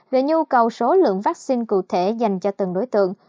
về nhu cầu số lượng vaccine cụ thể dành cho từng đối tượng